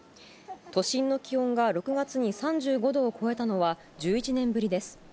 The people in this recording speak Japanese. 都心の気温が６月に３５度を超えたのは、１１年ぶりです。